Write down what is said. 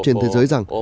trên thế giới rằng